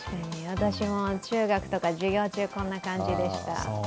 私も中学とか授業中、こんな感じでした。